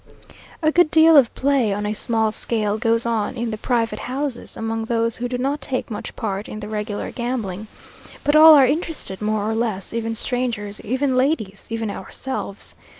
A good deal of play on a small scale goes on in the private houses, among those who do not take much part in the regular gambling; but all are interested more or less; even strangers, even ladies, even ourselves.